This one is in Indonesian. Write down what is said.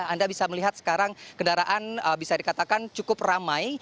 anda bisa melihat sekarang kendaraan bisa dikatakan cukup ramai